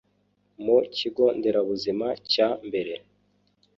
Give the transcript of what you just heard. mu kigo nderabuzima cya mbere